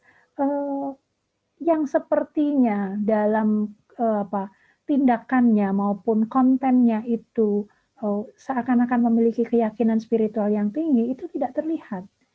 nah yang sepertinya dalam tindakannya maupun kontennya itu seakan akan memiliki keyakinan spiritual yang tinggi itu tidak terlihat